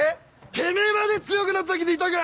てめえまで強くなった気でいたか？